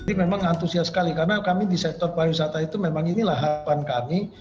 ini memang antusias sekali karena kami di sektor pariwisata itu memang inilah harapan kami